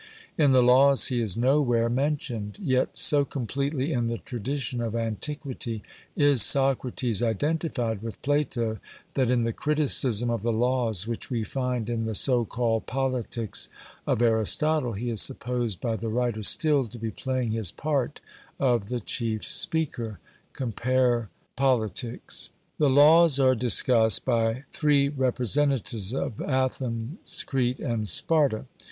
In the Laws he is nowhere mentioned. Yet so completely in the tradition of antiquity is Socrates identified with Plato, that in the criticism of the Laws which we find in the so called Politics of Aristotle he is supposed by the writer still to be playing his part of the chief speaker (compare Pol.). The Laws are discussed by three representatives of Athens, Crete, and Sparta.